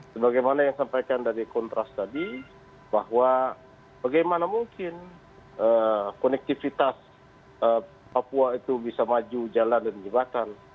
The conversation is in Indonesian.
sebagaimana yang sampaikan dari kontras tadi bahwa bagaimana mungkin konektivitas papua itu bisa maju jalan dan jebakan